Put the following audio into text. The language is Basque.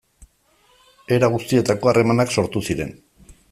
Era guztietako harremanak sortu ziren.